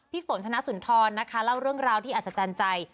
ฝนธนสุนทรนะคะเล่าเรื่องราวที่อัศจรรย์ใจ